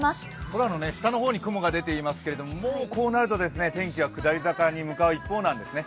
空の下の方に雲が出ていますけどもう、こうなると天気は下り坂に向かう一方なんですね。